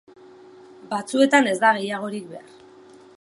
Batzuetan ez da gehiagorik behar.